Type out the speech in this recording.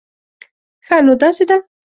ښه، نو داسې ده